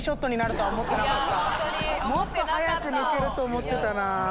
もっと早く抜けると思ってたなぁ。